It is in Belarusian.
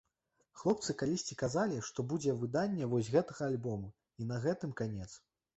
Хлопцы калісьці казалі, што будзе выданне вось гэтага альбому і на гэтым канец.